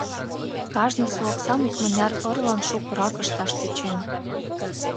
Кажныже оксам икмыняр ырлан шукырак ышташ тӧчен.